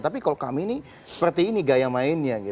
tapi kalau kami ini seperti ini gaya mainnya